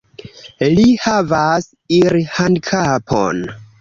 Li havas irhandikapon.